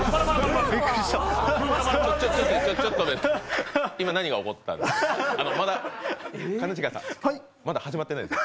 ちょっと今、何が起こったんですか？